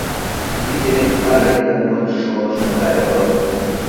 Тиде вет пареҥгым монь шолыштмо гай огыл.